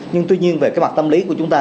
nhưng tuy nhiên về cái mặt tâm lý của chúng ta